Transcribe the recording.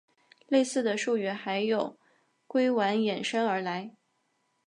类似的术语还有硅烷衍生而来。